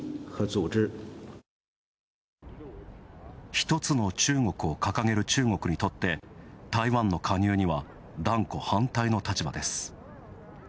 一つの中国を掲げる中国にとって台湾の加入には断固反対の立場です。